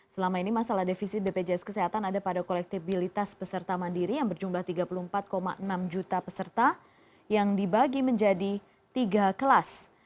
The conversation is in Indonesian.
selama ini masalah defisit bpjs kesehatan ada pada kolektibilitas peserta mandiri yang berjumlah tiga puluh empat enam juta peserta yang dibagi menjadi tiga kelas